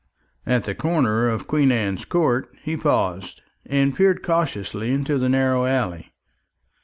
At the corner of Queen Anne's Court he paused, and peered curiously into the narrow alley.